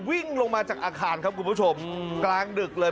วิ่งลงมาจากอาคารครับคุณผู้ชมกลางดึกเลย